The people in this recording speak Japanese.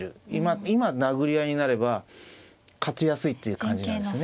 今殴り合いになれば勝ちやすいっていう感じなんですね。